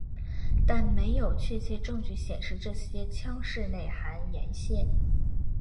但没有确切证据显示这些腔室内含盐腺。